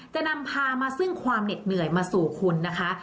จะนำพามาซึ่งความเหน็ดเหนื่อยมาสู่คุณนะคะ